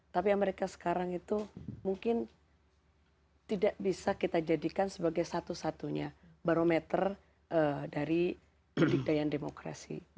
tapi amerika sekarang itu mungkin tidak bisa kita jadikan sebagai satu satunya barometer dari kedikdayaan demokrasi